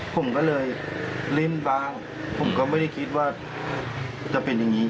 ผมก็เลยเล่นบ้างผมก็ไม่ได้คิดว่าจะเป็นอย่างนี้